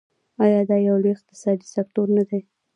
آیا دا یو لوی اقتصادي سکتور نه دی؟